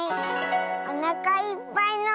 おなかいっぱいの「ん」。